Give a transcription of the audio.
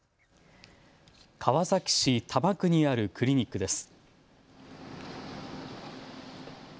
川崎市多摩区にあるクリニックです。